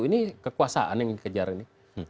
ini kekuasaan yang dikejar ini